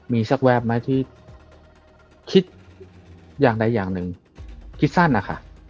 มีสักแวบไหมที่คิดอย่างใดอย่างหนึ่งคิดสั้นนะคะ